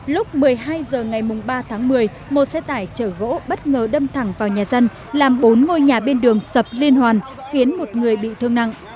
lúc một mươi hai h ngày ba tháng một mươi một xe tải chở gỗ bất ngờ đâm thẳng vào nhà dân làm bốn ngôi nhà bên đường sập liên hoàn khiến một người bị thương nặng